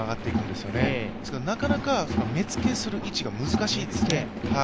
ですからなかなか目つけする位置が難しいですね。